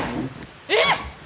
えっ！？